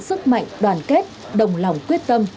sức mạnh đoàn kết đồng lòng quyết tâm